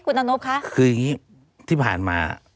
คู่เชิญด้วยที่ผ่านมา